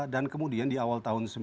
dan kemudian di awal tahun